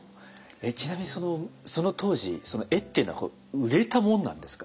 えっちなみにその当時絵っていうのは売れたもんなんですか？